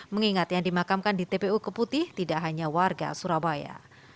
mengingat yang dimakamkan di tpu keputih tidak hanya warga surabaya